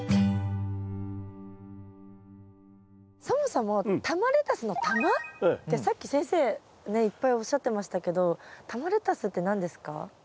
そもそも玉レタスの「玉」ってさっき先生ねっいっぱいおっしゃってましたけど玉レタスって何ですか？